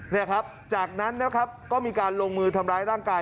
นี่ครับจากนั้นนะครับก็มีการลงมือทำร้ายร่างกาย